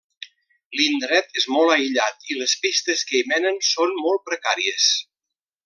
L'indret és molt aïllat i les pistes que hi menen són molt precàries.